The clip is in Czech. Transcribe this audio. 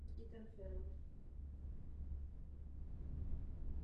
Důvodem je snížení státní podpory pro elektrárny uvedené do provozu později.